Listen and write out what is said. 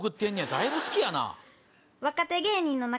だいぶ好きやな。